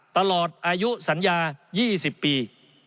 ตลอดอายุสัญญา๒๐ปี